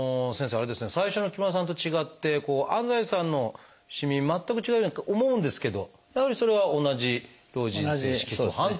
あれですね最初の木村さんと違って安西さんのしみ全く違うように思うんですけどやはりそれは同じ「老人性色素斑」という種類なんですね。